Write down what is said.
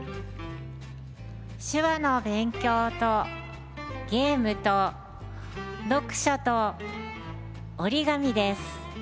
手話の勉強とゲームと読書と折り紙です。